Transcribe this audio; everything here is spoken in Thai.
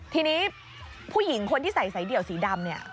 ทีนี้ผู้หญิงคนที่ใส่สายเดี่ยวสีดำเนี่ย